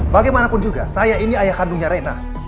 bagaimanapun juga saya ini ayah kandungnya rena